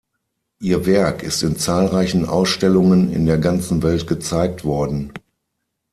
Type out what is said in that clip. Ihr Werk ist in zahlreichen Ausstellungen in der ganzen Welt gezeigt worden.